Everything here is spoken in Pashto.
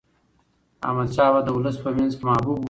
احمد شاه بابا د ولس په منځ کې محبوب و.